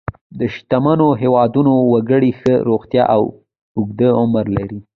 د شتمنو هېوادونو وګړي ښه روغتیا او اوږد عمر لري.